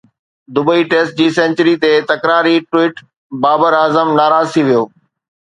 Dubai test جي century تي تڪراري ٽوئيٽ، بابر اعظم ناراض ٿي ويو